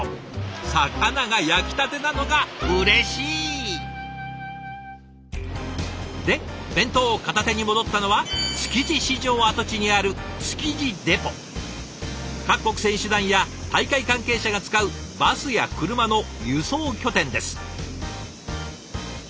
魚が焼きたてなのがうれしい！で弁当を片手に戻ったのは築地市場跡地にある各国選手団や大会関係者が使うバスや車の輸送拠点です。